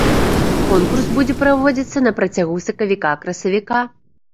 Конкурс будзе праводзіцца на працягу сакавіка-красавіка.